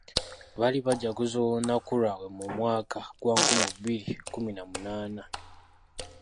Baali bajaguza olunaku lwabwe mu mwaka gwa nkumi bbiri mu kumi na munaana.